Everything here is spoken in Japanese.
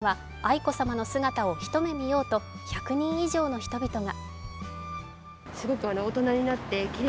沿道には、愛子さまの姿を一目見ようと１００人以上の人々が。